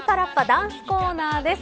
ダンスコーナーです。